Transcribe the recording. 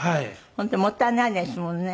本当もったいないですもんね。